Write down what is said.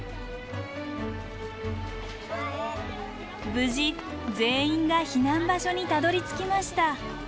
無事全員が避難場所にたどりつきました。